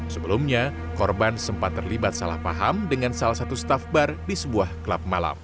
sebelumnya korban sempat terlibat salah paham dengan salah satu staff bar di sebuah klub malam